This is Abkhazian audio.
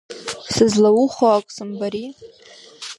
Сызлаухәо ак сымбари!